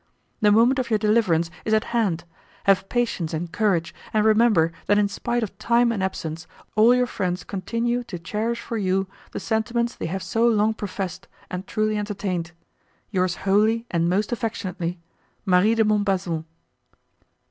The moment of your deliverance is at hand; have patience and courage and remember that in spite of time and absence all your friends continue to cherish for you the sentiments they have so long professed and truly entertained. "Yours wholly and most affectionately "Marie de Montbazon.